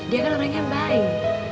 dia kan orang yang baik